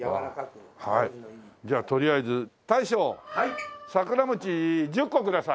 じゃあとりあえず大将さくら餅１０個ください。